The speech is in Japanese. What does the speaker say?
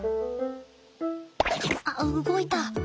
あっ動いた。